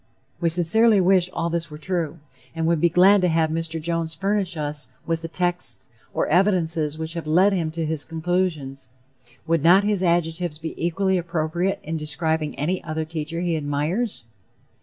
We sincerely wish all this were true, and would be glad to have Mr. Jones furnish us with the texts or evidences which have led him to his conclusions. Would not his adjectives be equally appropriate in describing any other teacher he admires?